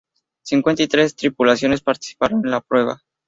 Cincuenta y tres tripulaciones participaron en la prueba.